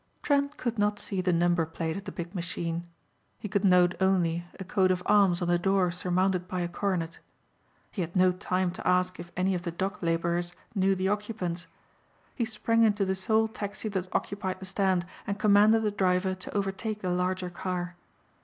Trent could not see the number plate of the big machine. He could note only a coat of arms on the door surmounted by a coronet. He had no time to ask if any of the dock laborers knew the occupants. He sprang into the sole taxi that occupied the stand and commanded the driver to overtake the larger car.